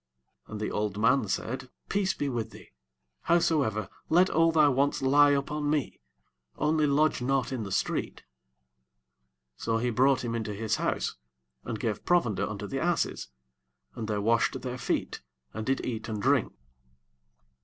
20 And the old man said, Peace be with thee; howsoever, let all thy wants lie upon me; only lodge not in the street. 21 So he brought him into his house, and gave provender unto the asses: and they washed their feet, and did eat and drink.